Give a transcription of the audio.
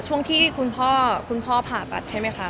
ช่วงที่คุณพ่อผ่าปัดใช่ไหมคะ